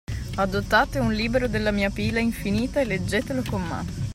Adottate un libro della mia pila infinita e leggetelo con me.